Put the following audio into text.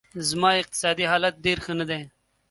زما اقتصادي حالت ډېر ښه نه دی